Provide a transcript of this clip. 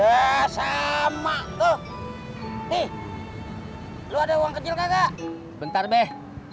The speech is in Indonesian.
udah sama tuh nih lu ada uang kecil kagak bentar beh